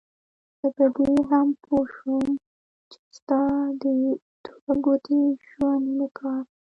زه په دې هم پوه شوم چې ستا د دوه ګوني ژوند انعکاس.